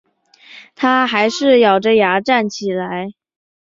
她还是咬著牙站起身